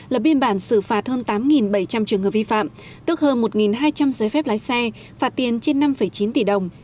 là biên bản xử phạt hơn tám bảy trăm linh trường hợp vi phạm tức hơn một hai trăm linh giấy phép lái xe phạt tiền trên năm chín tỷ đồng